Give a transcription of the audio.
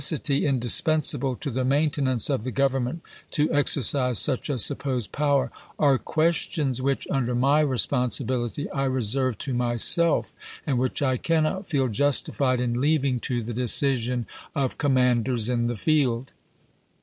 sity indispensable to the maintenance of the Gov ernment to exercise such a supposed power, are questions which, under my responsibility, I reserve to myself, and which I cannot feel justified in leav ing to the decision of commanders in the field.